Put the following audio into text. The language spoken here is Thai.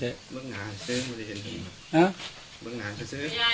วันนี้ก็จะเป็นสวัสดีครับ